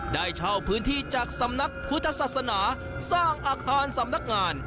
ได้เช่าพื้นที่จากสำนักพุทธศาสนาสร้างอาคารสำนักงาน